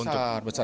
oh besar besar